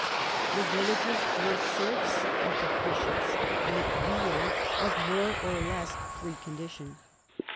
The villagers were serfs of the bishops, and villeins of more or less free condition.